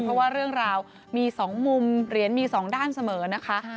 เพราะว่าเรื่องราวมี๒มุมเหรียญมี๒ด้านเสมอนะคะ